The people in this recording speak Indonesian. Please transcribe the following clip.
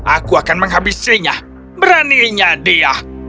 aku akan menghabisinya beraninya dia